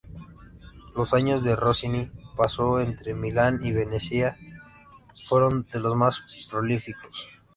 Los años que Rossini pasó entre Milán y Venecia, fueron de lo más prolíficos.